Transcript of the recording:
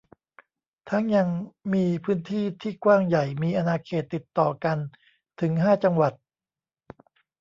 ทั้งยังมีพื้นที่ที่กว้างใหญ่มีอาณาเขตติดต่อกันถึงห้าจังหวัด